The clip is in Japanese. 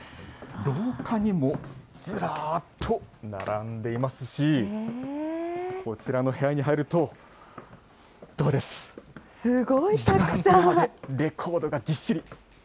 廊下にもずらっと並んでいますし、こちらの部屋に入ると、どうです、下から上までレコードがぎっしり。